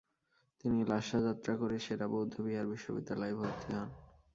তিনি লাসা যাত্রা করে সে-রা বৌদ্ধবিহার বিশ্ববিদ্যালয়ে ভর্তি হন।